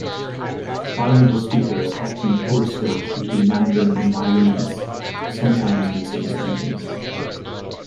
Bilingual speakers often code-switch between Mandarin and Taiwanese, sometimes in the same sentence.